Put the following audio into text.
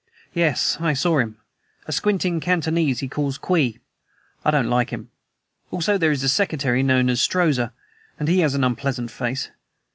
"Yes, I saw him; a squinting Cantonese he calls Kwee. I don't like him. Also, there is a secretary known as Strozza, who has an unpleasant face.